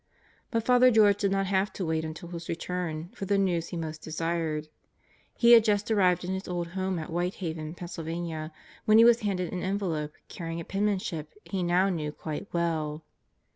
But Father George did not have to wait until his return for the news he most desired. He had just arrived in his old home at White Haven, Pennsylvania, when he was handed an envelope carrying a penmanship he now knew quite well.